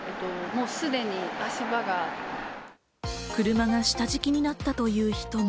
車が下敷きになったという人も。